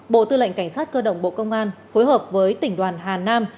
bộ tư lệnh cảnh sát cơ động bộ công an phối hợp với tỉnh đoàn hà nam